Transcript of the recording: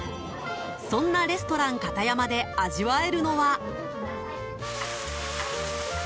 そんなレストランカタヤマで味わえるのは。